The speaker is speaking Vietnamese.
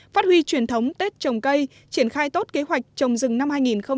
năm phát huy truyền thống tết trồng cây triển khai tốt kế hoạch trồng rừng năm hai nghìn một mươi bảy